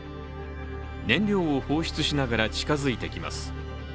燃料を放出しながら近づいてきます。